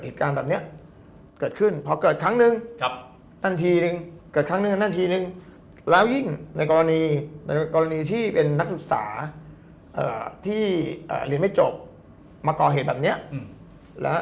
เหตุการณ์แบบนี้เกิดขึ้นพอเกิดครั้งนึงทันทีหนึ่งเกิดครั้งหนึ่งนาทีนึงแล้วยิ่งในกรณีในกรณีที่เป็นนักศึกษาที่เรียนไม่จบมาก่อเหตุแบบนี้แล้ว